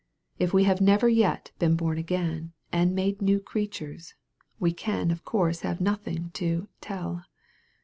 If we have never yet been born again, and made new creatures, we can of course have nothing to " tell."